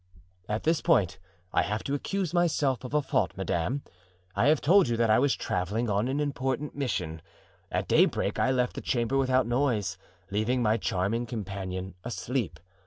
"At this point I have to accuse myself of a fault, madame. I have told you that I was traveling on an important mission. At daybreak I left the chamber without noise, leaving my charming companion asleep.